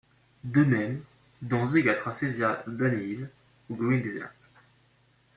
De même, Danzig a tracé via Danehill ou Green Desert.